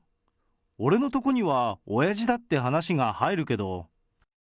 俺のとこには親父だって話が入るけど。